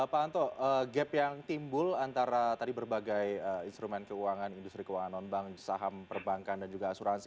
pak anto gap yang timbul antara tadi berbagai instrumen keuangan industri keuangan non bank saham perbankan dan juga asuransi